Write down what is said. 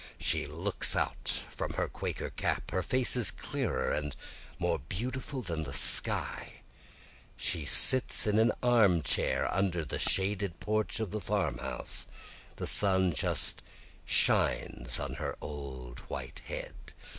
She looks out from her quaker cap, her face is clearer and more beautiful than the sky. She sits in an armchair under the shaded porch of the farmhouse, The sun just shines on her old white head.